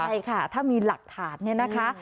ใช่ค่ะถ้ามีหลักฐานเนี่ยนะคะ